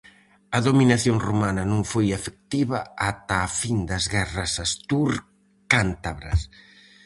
A dominación romana non foi efectiva ata a fin das Guerras Ástur-Cántabras.